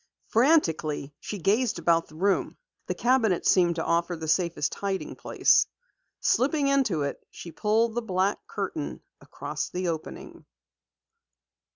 Frantically, she gazed about the room. The cabinet seemed to offer the safest hiding place. Slipping into it, she pulled the black curtain across the opening.